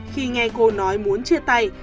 khi nghe cô nói muốn chia tay